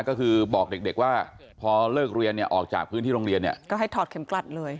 ก็คือบอกเด็กว่าพอเลิกเรียนเนี่ยออกจากพื้นที่โรงเรียนเนี่ยก็ให้ถอดเข็มกลัดเลย